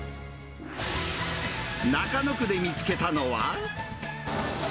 中野区で見つけたのは。